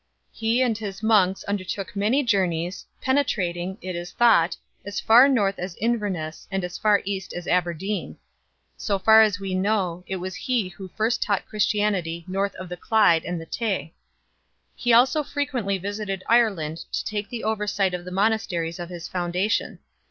He and his monks undertook many journeys, penetrating, it is thought, as far north as Inverness and as far east as Aberdeen. So far as we know, it was he who first taught Christianity north of the Clyde and the Tay. He also frequently visited Ireland to take the oversight of the monasteries of his foundation.